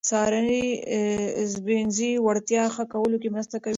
سهارنۍ د ژبنیزې وړتیا ښه کولو کې مرسته کوي.